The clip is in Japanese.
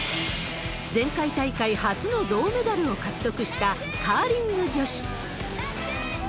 前回大会初の銅メダルを獲得したカーリング女子。